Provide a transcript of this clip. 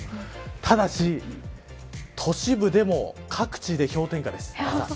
ただし、都市部でも各地で氷点下です。